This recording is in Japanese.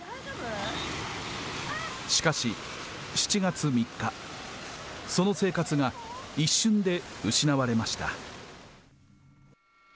しかし、７月３日、その生活が一瞬で失われました。